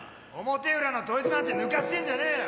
表裏の統一なんて抜かしてんじゃねえよ！